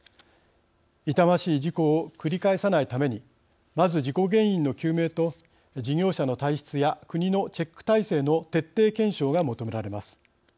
痛ましい事故を繰り返さないためにまず事故原因の究明と事業者の体質や国のチェック体制の徹底検証が求められます。